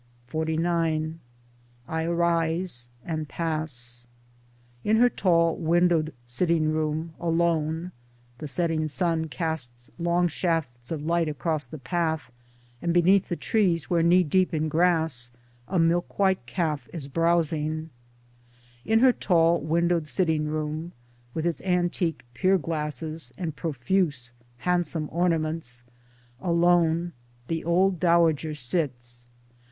XLIX I arise and pass. In her tall windowed sitting room — alone — [The setting sun casts long shafts of light across the path and beneath the trees where knee deep in grass a milkwhite calf is browsing,] In her tall windowed sitting room, with its antique pier glasses and profuse handsome ornaments — alone — The old dowager sits.